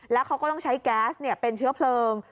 แล้วเขาก็ต้องใช้แก๊สเป็นเชื้อเพลิง